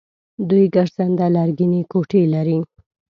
دوی ګرځنده لرګینې کوټې لري.